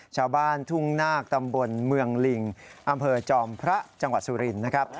ชาวบ้านทุ่งนาคตำบลเมืองลิงอำเภอจอมพระจังหวัดสุรินทร์นะครับ